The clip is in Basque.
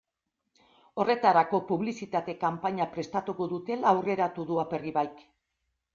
Horretarako publizitate kanpaina prestatuko dutela aurreratu du Aperribaik.